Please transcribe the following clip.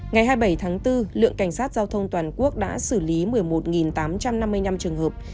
ngày hai mươi bảy tháng bốn lượng cảnh sát giao thông toàn quốc đã xử lý một mươi một tám trăm năm mươi năm trường hợp